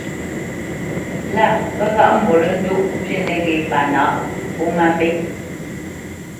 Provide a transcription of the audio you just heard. Lâ pə́ ghaʼ mbolendoʼ pí nəghé pâ nǎʼ pó má mbé.